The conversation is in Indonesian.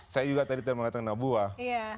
saya juga tadi tidak mengatakan anak buah